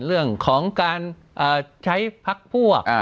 เรื่องของการใช้พักพวก